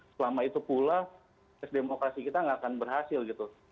selama itu pula kes demokrasi kita tidak akan berhasil